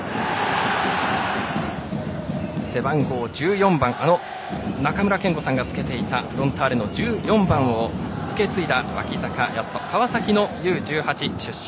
背番号１４番中村憲剛さんがつけていたフロンターレの１４番を受け継いだ脇坂泰斗、川崎のＵ−１８出身。